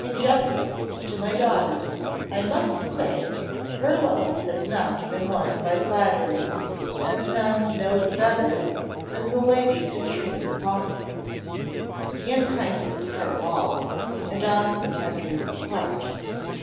In justice to my daughter, I must say her love has not been won by flattery, as none knows better than the Lady Katrine Hawksby." The unkindest cut of all, and on the tenderest part.